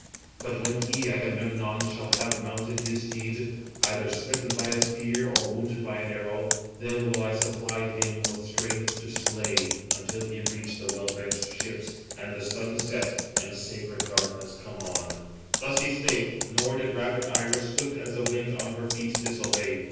But when he (Agamemnon) shall have mounted his steeds, either smitten by a spear, or wounded by an arrow, then will I supply him with strength to slay, 369 until he reach the well benched ships, and the sun set, and sacred darkness come on." Footnote 368: (return) Cf. ver. 204. Footnote 369: (return) The Greeks. Thus he spake; nor did rapid Iris, swift as the wind on her feet, disobey.